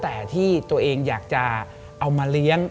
แต่ที่ตัวเองอยากจะเอามาเลี้ยง